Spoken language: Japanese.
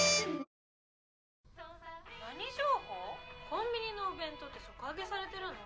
コンビニのお弁当って底上げされてるの？